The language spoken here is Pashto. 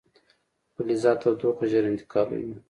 فلزات تودوخه ژر انتقالوي.